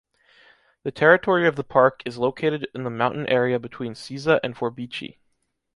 The territory of the Park is located in the mountain area between Cisa and Forbici.